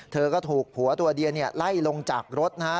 เธอก็ถูกผัวตัวเดียไล่ลงจากรถนะฮะ